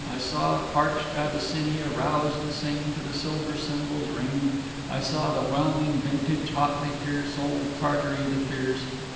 I saw parched Abyssinia rouse and sing To the silver cymbals' ring! I saw the whelming vintage hotly pierce Old Tartary the fierce!